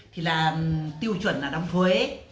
thì là tiêu chuẩn là đóng thuế